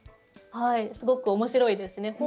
はいすごく面白いですね。